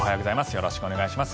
よろしくお願いします。